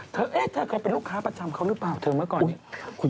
เอ๊ะเธอเคยเป็นลูกค้าประจำเขาหรือเปล่าเธอเมื่อก่อนนี้